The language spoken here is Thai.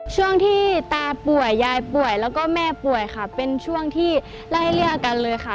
ช่วงที่ตาป่วยยายป่วยแล้วก็แม่ป่วยค่ะเป็นช่วงที่ไล่เลี่ยกันเลยค่ะ